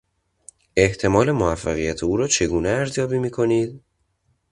احتمال موفقیت او را چگونه ارزیابی می کنید؟